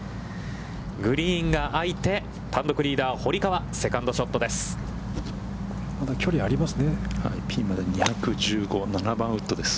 グリーンがあいて、単独リーダー、堀川、セカンドショットです。